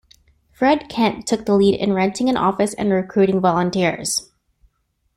Fred Kent took the lead in renting an office and recruiting volunteers.